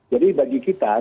jadi bagi kita